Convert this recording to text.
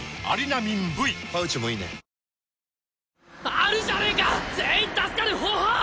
あるじゃねぇか全員助かる方法！